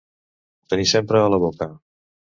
Tenir sempre a la boca.